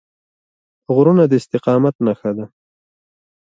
غرونه د استقامت نښه ده.